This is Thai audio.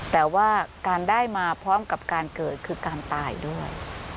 แต่ว่าการได้มาพร้อมกับการเกิดคือการตายด้วย